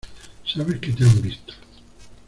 sabes que te han visto.